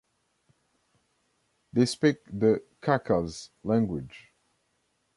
They speak the Khakas language.